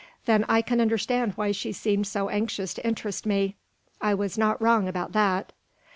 "Then I can understand why she seemed so anxious to interest me. I was not wrong about that."